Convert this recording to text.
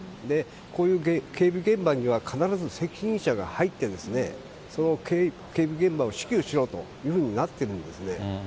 こういう警備現場には必ず責任者が入って、その警備現場を指揮をしろというふうになってるんですね。